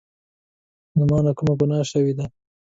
له مانه کومه ګناه شوي ده